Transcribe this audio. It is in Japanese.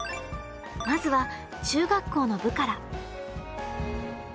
まずは中学校の部から。